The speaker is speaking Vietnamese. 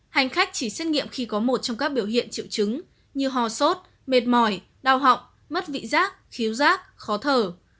hành khách chỉ xét nghiệm khi có một trong các biểu hiện triệu chứng như ho sốt mệt mỏi đau họng mất vị giác khiếu rác khó thở